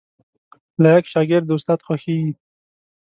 لايق شاګرد د استاد خوښیږي